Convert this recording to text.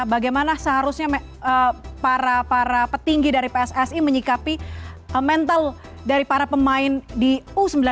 bagaimana seharusnya para petinggi dari pssi menyikapi mental dari para pemain di u sembilan belas